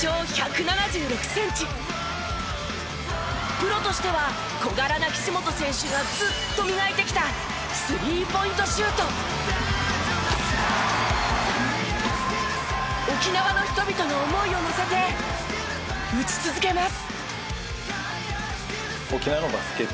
プロとしては小柄な岸本選手がずっと磨いてきた沖縄の人々の思いを乗せて打ち続けます。